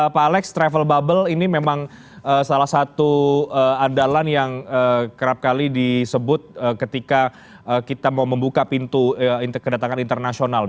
pak alex travel bubble ini memang salah satu andalan yang kerap kali disebut ketika kita mau membuka pintu kedatangan internasional